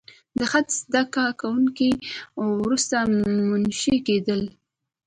د خط زده کوونکي وروسته منشي کېدل.